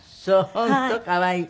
本当可愛い。